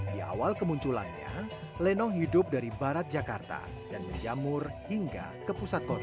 di awal kemunculannya lenong hidup dari barat jakarta dan menjamur hingga ke pusat kota